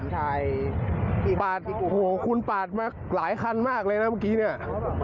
โหคุณปาดมาหลายคันมากเลยนะเมื่อกี้เนี่ย